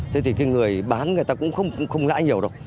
thế thì cái người bán người ta cũng không lãi nhiều đâu